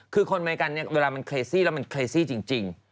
คือคนอเมริกันเนี่ยเวลามันเคลซี่แล้วมันเครซี่จริง